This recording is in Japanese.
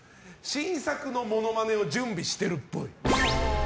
新作のものまねを準備してるっぽい。